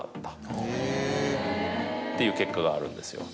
あぁ。っていう結果があるんですよ。